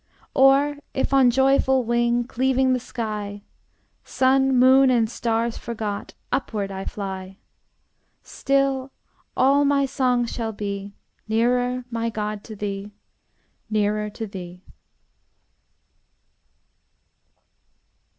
Or if on joyful wing, Cleaving the sky, Sun, moon, and stars forgot, Upward I fly; Still all my song shall be, Nearer, my God, to thee, Nearer to thee!